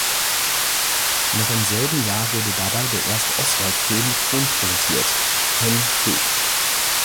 Noch im selben Jahr wurde dabei der erste Oswald-Film mit Ton präsentiert, "Hen Fruit".